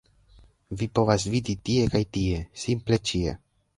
Vi povas vidi tie kaj tie - simple ĉie